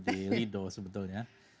di lido sebetulnya